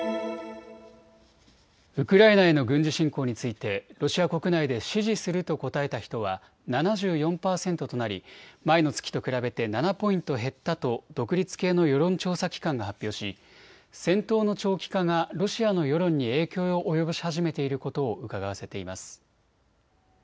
ウクライナへの軍事侵攻についてロシア国内で支持すると答えた人は７４％となり前の月と比べて７ポイント減ったと独立系の世論調査機関が発表し戦闘の長期化がロシアの世論に影響を及ぼし始めていることをうかがわせています。